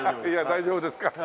大丈夫ですか？